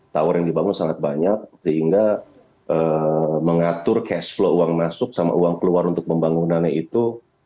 tower yang dibangun sangat banyak sehingga mengatur cash flow uang masuk sama uang keluar untuk pembangunannya itu